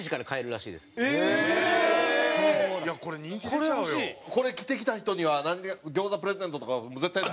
これ着てきた人には餃子プレゼントとかは絶対ない？